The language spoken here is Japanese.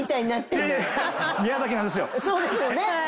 そうですよね。